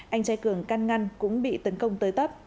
anh trai cường can ngăn cũng bị tấn công tựa